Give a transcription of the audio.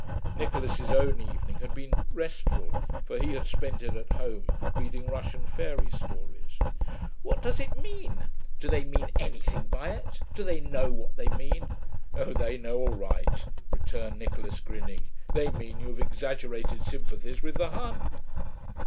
(Nicholas's own evening had been restful, for he had spent it at home, reading Russian fairy stories.) 'What does it mean? Do they mean anything by it? Do they know what they mean?' 'Oh, they know all right,' returned Nicholas, grinning. 'They mean you have exaggerated sympathies with the Hun.'